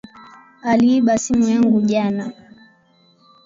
Aliiba simu yangu jana